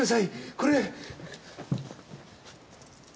これ！